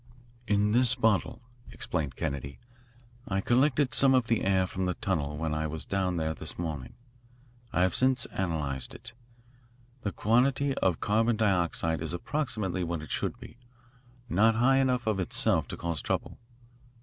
"In this bottle," explained Kennedy, "I collected some of the air from the tunnel when I was down there this morning. I have since analysed it. The quantity of carbon dioxide is approximately what it should be not high enough of itself to cause trouble.